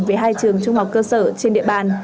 về hai trường trung học cơ sở trên địa bàn